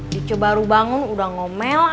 dice baru bangun udah ngomel aja